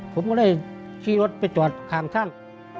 ผมก็เรียกขี่รถไปจอดข่างทั่ง